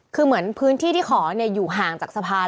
คือเหมือนพื้นที่ที่ขออยู่ห่างจากสะพาน